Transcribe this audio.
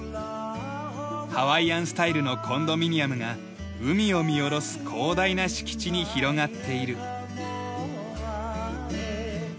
ハワイアンスタイルのコンドミニアムが海を見下ろす広大な敷地に広がっている。